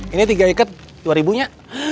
ini tiga ikat dua ribunya